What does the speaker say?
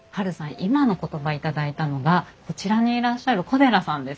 今の言葉頂いたのがこちらにいらっしゃる小寺さんです。